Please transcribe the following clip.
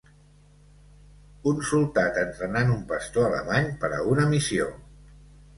Un soltat entrenant un pastor alemany per a una missió.